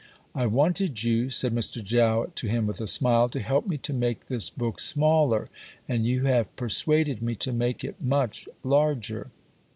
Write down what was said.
"I wanted you," said Mr. Jowett to him with a smile, "to help me to make this book smaller, and you have persuaded me to make it much larger."